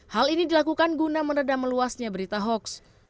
hal ini dilakukan guna meredam meluasnya berita hoax